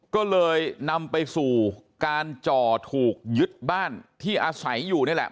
ก็เลยนำไปสู่การจ่อถูกยึดบ้านที่อาศัยอยู่นี่แหละ